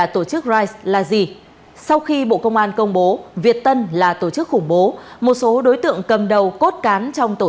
thực ra đằng sau với cái âm mưu đưa xã hội dân sự